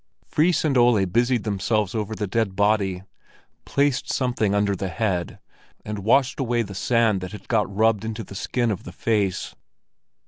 Fris and Ole busied themselves over the dead body, placed something under the head, and washed away the sand that had got rubbed into the skin of the face.